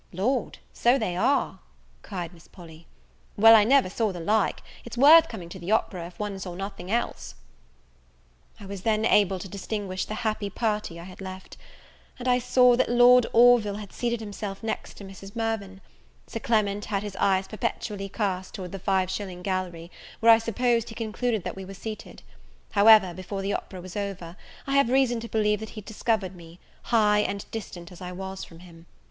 "Lord, so they are," cried Miss Polly; "well, I never saw the like! it's worth coming to the opera, if one saw nothing else." I was then able to distinguish the happy party I had left; and I saw that Lord Orville had seated himself next to Mrs. Mirvan. Sir Clement had his eyes perpetually cast towards the five shilling gallery, where I suppose he concluded that we were seated; however, before the opera was over, I have reason to believe that he had discovered me, high and distant as I was from him.